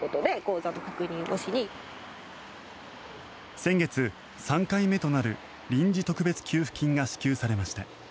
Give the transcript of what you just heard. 先月、３回目となる臨時特別給付金が支給されました。